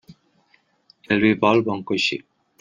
El vi vol bon coixí.